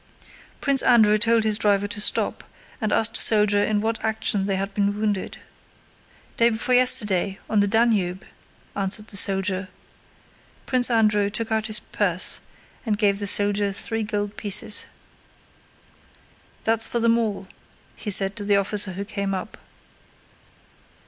Prince Andrew told his driver to stop, and asked a soldier in what action they had been wounded. "Day before yesterday, on the Danube," answered the soldier. Prince Andrew took out his purse and gave the soldier three gold pieces. "That's for them all," he said to the officer who came up.